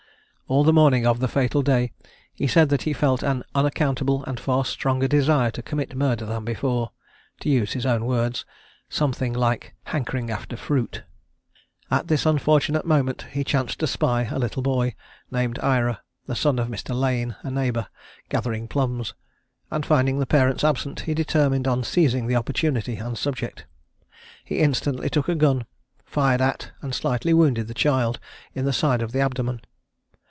All the morning of the fatal day he said that he felt an unaccountable and far stronger desire to commit murder than before; to use his own words, "something like hankering after fruit." At this unfortunate moment he chanced to spy a little boy, named Ira, the son of Mr. Lane, a neighbour, gathering plums; and finding the parents absent, he determined on seizing the opportunity and subject. He instantly took a gun, fired at, and slightly wounded the child in the side of the abdomen.